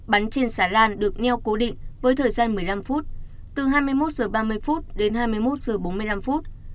bắn trên xà lan được neo cố định với thời gian một mươi năm phút từ hai mươi một h ba mươi đến hai mươi một h bốn mươi năm phút